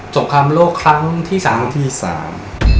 สงครามโลกครั้งที่สามครั้งที่สาม